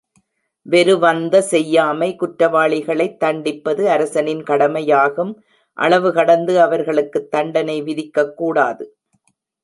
வெருவந்த செய்யாமை குற்றவாளிகளைத் தண்டிப்பது அரசனின் கடமை யாகும் அளவுகடந்து அவர்களுக்கு தண்டனை விதிக்கக் கூடாது.